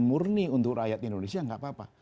murni untuk rakyat indonesia nggak apa apa